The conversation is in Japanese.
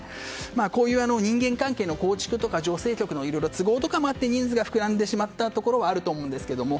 こういう人間関係の構築とか女性局の都合とかもあって人数が膨らんでしまったところはあると思うんですけれども。